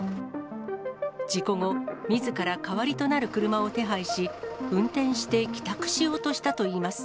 事故後、みずから代わりとなる車を手配し、運転して帰宅しようとしたといいます。